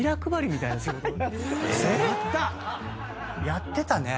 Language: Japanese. やってたね。